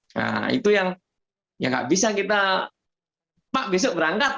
nah itu yang ya nggak bisa kita pak besok berangkat